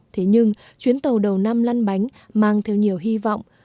thế nhưng chuyến tàu đầu năm lăn bánh mang theo nhiều hy vọng